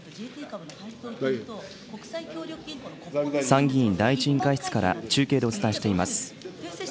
参議院第１委員会室から中継でお伝えしています。